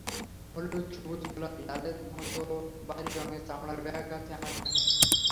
হলুদ, সবুজ, গোলাপি, লালের মতো বাহারি রঙের চামড়ার ব্যাগ আছে এখানে।